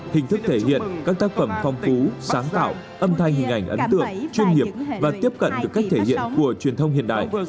hình thức thể hiện các tác phẩm phong phú sáng tạo âm thanh hình ảnh ấn tượng chuyên nghiệp và tiếp cận được cách thể hiện của truyền thông hiện đại